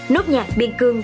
nốt nhạc biên cương